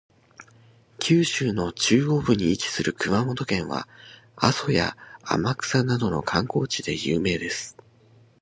九州の中央部に位置する熊本県は、阿蘇や天草などの観光地で有名です。